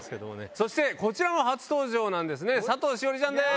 そしてこちらも初登場なんですね佐藤栞里ちゃんです。